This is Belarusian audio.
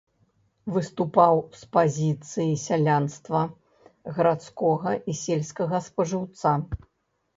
Выступаў з пазіцый сялянства, гарадскога і сельскага спажыўца.